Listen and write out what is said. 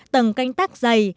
tầng canh tác dày